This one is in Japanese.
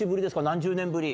何十年ぶり？